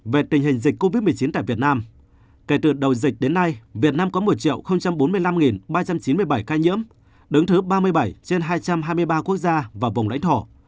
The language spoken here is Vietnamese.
về tình hình dịch covid một mươi chín tại việt nam kể từ đầu dịch đến nay việt nam có một bốn mươi năm ba trăm chín mươi bảy ca nhiễm đứng thứ ba mươi bảy trên hai trăm hai mươi ba quốc gia và vùng lãnh thổ